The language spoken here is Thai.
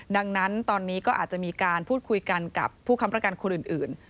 ดังนั้นตอนนี้ก็อาจจะมีการพูดคุยกันกับผู้ค้ำประกันคนอื่น